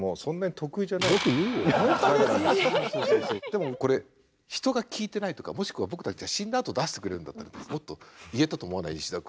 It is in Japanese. でもこれ人が聞いてないとかもしくは僕たちが死んだあと出してくれるんだったらもっと言えたと思わない？